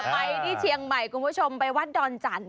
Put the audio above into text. ไปที่เชียงใหม่คุณผู้ชมไปวัดดอนจันท